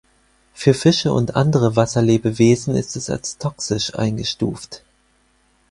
Für Fische und andere Wasserlebewesen ist es als toxisch eingestuft.